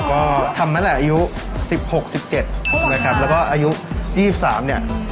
ก็ทำนั้นแหละอายุ๑๖๑๗แล้วก็อายุ๒๓เนี่ย